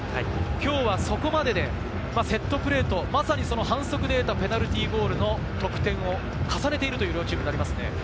今日はそこまででセットプレーとまさに反則で得た、ペナルティーゴールの得点を重ねているという両チームですね。